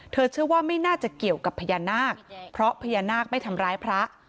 เชื่อว่าไม่น่าจะเกี่ยวกับพญานาคเพราะพญานาคไม่ทำร้ายพระ